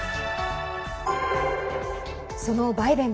そのバイデン